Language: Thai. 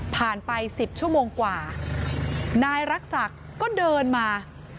ไปสิบชั่วโมงกว่านายรักษักก็เดินมา